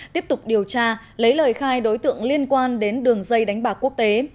tiếp tục điều tra lấy lời khai đối tượng liên quan đến đường dây đánh bạc quốc tế